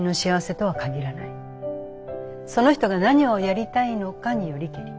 その人が何をやりたいのかによりけり。